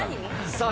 さあ